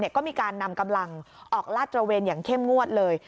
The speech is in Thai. ก็มีการนำกำลังออกลาดตระเวนอย่างเข้มงวดเลย